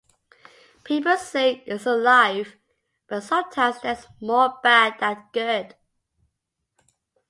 People say it's the life but sometimes there's more bad than good.